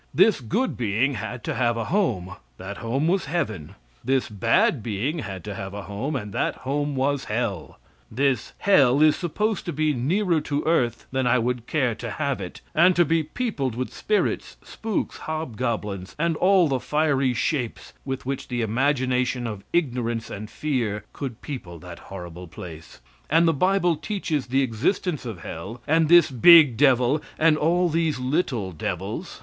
This good being had to have a home; that home was heaven. This bad being had to have a home; and that home was hell. This hell is supposed to be nearer to earth than I would care to have it, and to be peopled with spirits, spooks, hobgoblins, and all the fiery shapes with which the imagination of ignorance and fear could people that horrible place; and the bible teaches the existence of hell and this big devil and all these little devils.